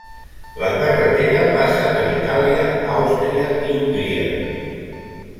La carretera passa per Itàlia, Àustria i Hongria.